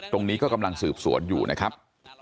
ตรงนี้ก็กำลังสืบสวนอยู่นะครับ